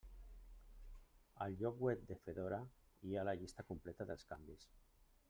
Al lloc web de Fedora hi ha la llista completa dels canvis.